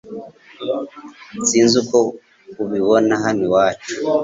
sinz uko ubi bona hano iwacu